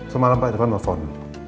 semalam pak irfan menelepon